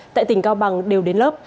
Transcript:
tại tỉnh cao bằng đều đến lớp